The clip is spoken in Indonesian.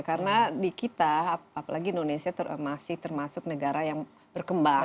karena di kita apalagi indonesia masih termasuk negara yang berkembang